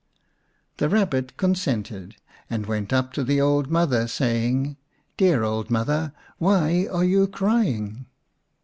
The Kabbit consented, and went up to the old mother, saying, " Dear old mother, why are you crying